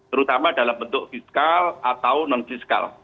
terutama dalam bentuk fiskal atau non fiskal